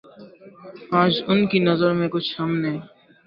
آج ان کی نظر میں کچھ ہم نے